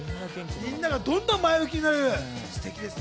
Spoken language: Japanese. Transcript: みんながどんどん前向きになる、ステキですね。